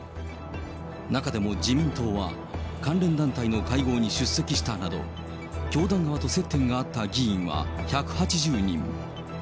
中でも自民党は、関連団体の会合に出席したなど、教団側と接点があった議員は１８０人。